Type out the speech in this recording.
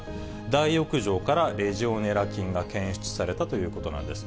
大浴場からレジオネラ菌が検出されたということなんです。